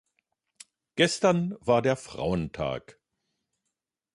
Gestern war der Frauentag.